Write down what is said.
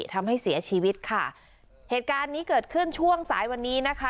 ทำให้เสียชีวิตค่ะเหตุการณ์นี้เกิดขึ้นช่วงสายวันนี้นะคะ